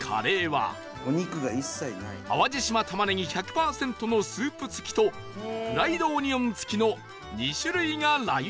淡路島玉ねぎ１００パーセントのスープ付きとフライドオニオン付きの２種類がラインアップ